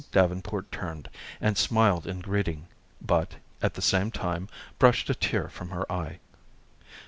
Davenport turned, and smiled in greeting, but, at the same time, brushed a tear from her eye.